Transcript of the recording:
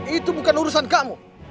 itu bukan urusan kamu